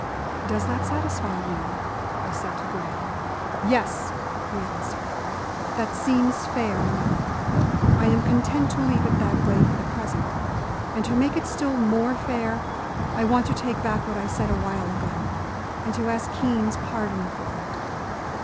"Does that satisfy you?" I said to Graham. "Yes," he answered, "that seems fair enough. I am content to leave it in that way for the present. And to make it still more fair, I want to take back what I said awhile ago, and to ask Keene's pardon for it."